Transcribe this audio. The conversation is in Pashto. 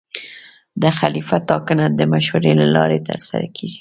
د خلیفه ټاکنه د مشورې له لارې ترسره کېږي.